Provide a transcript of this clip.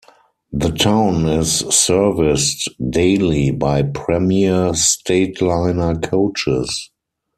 The town is serviced daily by Premier Stateliner coaches.